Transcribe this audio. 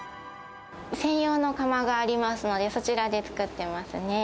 専用の窯がありますので、そちらで作ってますね。